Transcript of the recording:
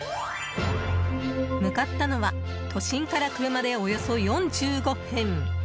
向かったのは都心から車でおよそ４５分。